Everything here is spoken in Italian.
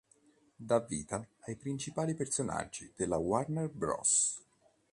Dà vita ai principali personaggi della Warner Bros.